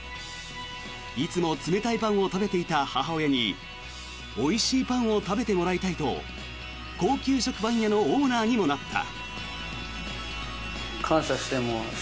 いつも冷たいパンを食べていた母親においしいパンを食べてもらいたいと高級食パン屋のオーナーにもなった。